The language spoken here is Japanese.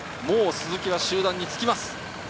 鈴木が集団につきます。